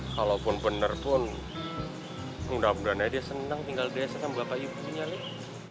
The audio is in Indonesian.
kalaupun bener pun mudah mudahan aja dia senang tinggal di desa sama bapak ibunya nih